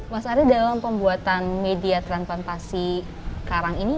mas ari dalam pembuatan media transplantasi karang ini